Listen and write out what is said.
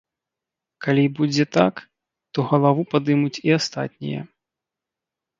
Калі будзе так, то галаву падымуць і астатнія.